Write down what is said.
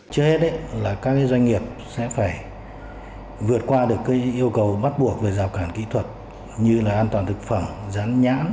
trước hết là các doanh nghiệp sẽ phải vượt qua được yêu cầu bắt buộc về rào cản kỹ thuật như là an toàn thực phẩm rán nhãn